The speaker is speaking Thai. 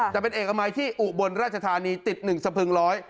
แต่เป็นเอกมัยที่อุบลราชธานีติด๑สะพึงร้อย